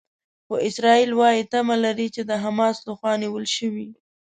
خو اسرائیل وايي تمه لري چې د حماس لخوا نیول شوي.